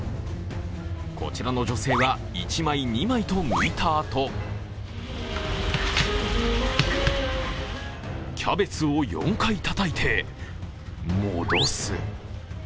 こちらの女性は１枚、２枚とむいたあとキャベツを４回たたいて戻す。